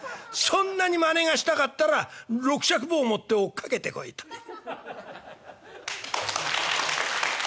そんなにまねがしたかったら六尺棒持って追っかけてこい」という。